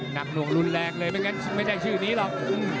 หนักหน่วงรุนแรงเลยไม่ได้ชื่อนี้หรอก